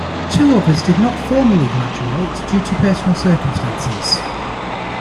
Two others did not formally graduate due to personal circumstances.